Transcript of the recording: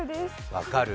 分かる。